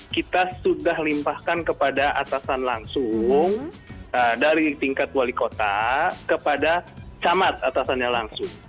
kita sudah limpahkan kepada atasan langsung dari tingkat wali kota kepada camat atasannya langsung